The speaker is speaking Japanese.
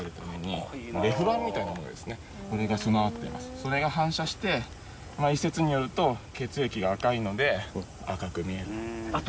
それが反射して一説によると血液が赤いので赤く見えると。